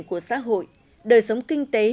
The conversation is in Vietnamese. của xã hội đời sống kinh tế